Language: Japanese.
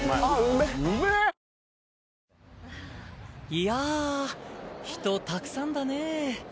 いやあ人たくさんだね。